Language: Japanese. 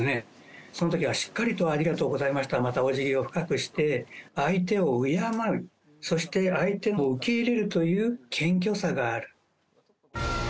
そのときはしっかりとありがとうございましたと、またおじぎを深くして、相手を敬う、そして相手を受け入れるという謙虚さがある。